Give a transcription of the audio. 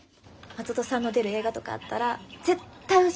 松戸さんの出る映画とかあったら絶対教えてください！